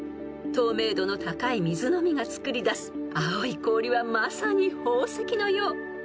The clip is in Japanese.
［透明度の高い水のみがつくり出す青い氷はまさに宝石のよう］